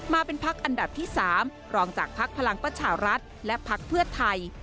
มาเป็นพักอันดับที่๓รองจากภักดิ์พลังประชารัฐและพักเพื่อไทย